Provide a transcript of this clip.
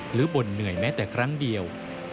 บ่นเหนื่อยแม้แต่ครั้งเดียว